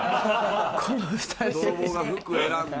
この２人。